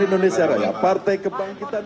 kolonel karya dan partai amanat nasional